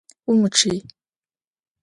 Умычъый!